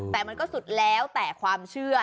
แต่มันก็สุดแล้วแต่ความเชื่อ